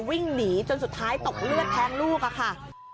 วิ่งหนีจนสุดท้ายตกเลือดแทงลูกค่ะ